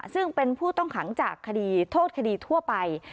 ซึ่งเป็นผู้ต้องขังจากคดีโทษคดีทั่วไป